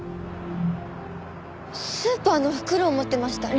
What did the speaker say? スーパーの袋を持ってました。